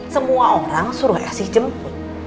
semua orang suruh kasih jemput